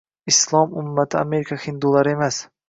Islom ummati Amerika hindulari emas!